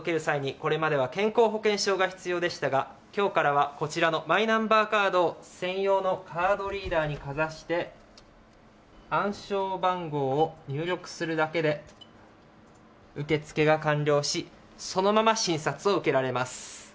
これまでは健康保険証が必要でしたが今日からはマイナンバーカードを専用のカードリーダーにかざして暗証番号を入力するだけで受付が完了しそのまま診察を受けられます。